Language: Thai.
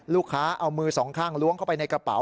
ลูกค้าเอามือสองข้างล้วงเข้าไปในกระเป๋า